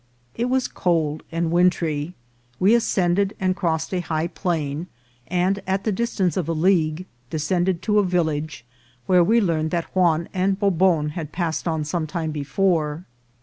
It was cold and wintry. We ascended and crossed a high plain, and at the distance of a league descended to a village, where we learned that Juan and Bobon had passed on some time before.